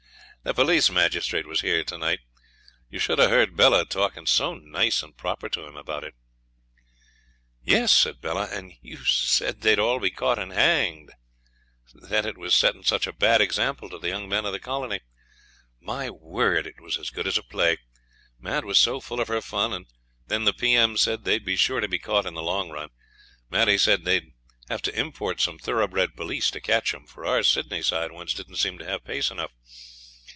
The police magistrate was here to night. You should have heard Bella talking so nice and proper to him about it.' 'Yes, and you said they'd all be caught and hanged,' said Bella; 'that it was settin' such a bad example to the young men of the colony. My word! it was as good as a play. Mad was so full of her fun, and when the P.M. said they'd be sure to be caught in the long run, Maddie said they'd have to import some thoroughbred police to catch 'em, for our Sydney side ones didn't seem to have pace enough.